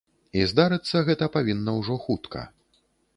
І здарыцца гэта павінна ўжо хутка.